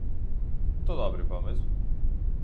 To dobry pomysł